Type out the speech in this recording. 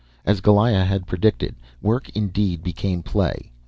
As Goliah had predicted, work indeed became play.